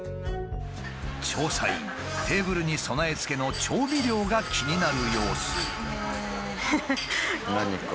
調査員テーブルに備え付けの調味料が気になる様子。